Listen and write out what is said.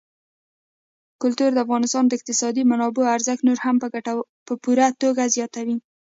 کلتور د افغانستان د اقتصادي منابعو ارزښت نور هم په پوره توګه زیاتوي.